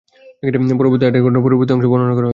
পরবর্তী আয়াতে ঘটনার পরবর্তী অংশ বর্ণনা করা হয়েছে।